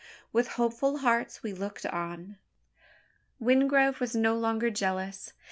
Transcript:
With hopeful hearts we looked on. Wingrove was no longer jealous.